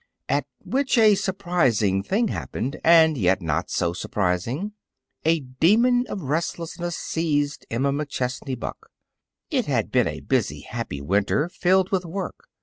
At which a surprising thing happened; and yet, not so surprising. A demon of restlessness seized Emma McChesney Buck. It had been a busy, happy winter, filled with work.